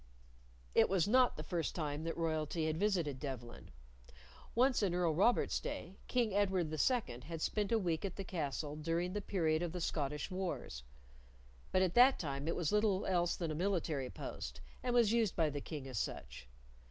It was not the first time that royalty had visited Devlen. Once, in Earl Robert's day, King Edward II had spent a week at the castle during the period of the Scottish wars. But at that time it was little else than a military post, and was used by the King as such.